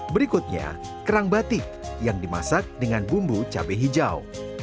berikutnya kerang batik yang dimasak dengan bumbu cabai hijau